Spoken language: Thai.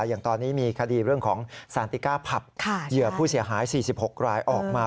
อย่างตอนนี้มีคดีเรื่องของซานติก้าผับเหยื่อผู้เสียหาย๔๖รายออกมา